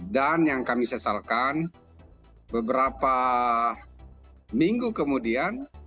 dan yang kami sasarkan beberapa minggu kemudian